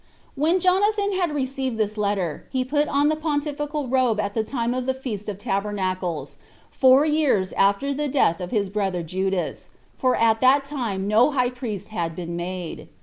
3. When Jonathan had received this letter, he put on the pontifical robe at the time of the feast of tabernacles, 2 four years after the death of his brother Judas, for at that time no high priest had been made.